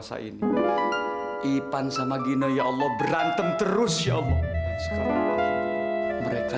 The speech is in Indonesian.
sampai jumpa di video selanjutnya